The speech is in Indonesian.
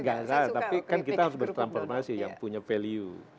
nggak tapi kan kita harus bertransformasi yang punya value